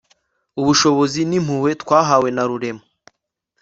ubushobozi n'impuhwe twahawe na rurema